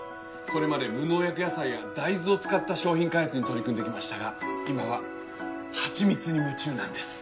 これまで無農薬野菜やダイズを使った商品開発に取り組んできましたが今は蜂蜜に夢中なんです。